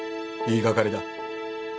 言い掛かりだ。